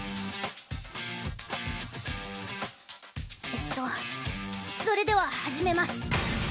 えっとそれでは始めます。